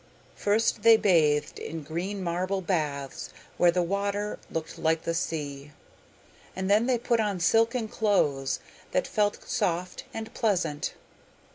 First they bathed in green marble baths where the water looked like the sea, and then they put on silken clothes that felt soft and pleasant.